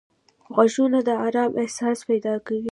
غوږونه د آرام احساس پیدا کوي